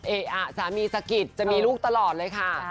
เอะสามีสกิร์จจะมีลูกตลอดเลยค่ะ